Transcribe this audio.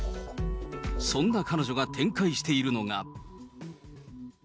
そんな彼女が展開しているのが。